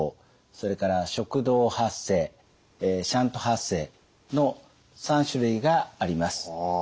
それから食道発声シャント発声の３種類があります。